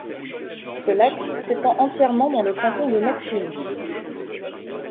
Ce lac s’étend entièrement dans le canton de McSweeney.